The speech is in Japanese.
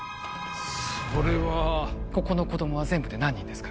それはここの子供は全部で何人ですか？